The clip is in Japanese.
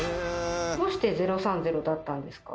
どうして「０３０」だったんですか？